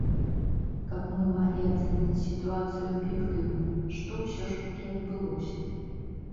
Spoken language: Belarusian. Каб мы маглі ацаніць сітуацыю аб'ектыўна, што ўсё ж такі адбылося.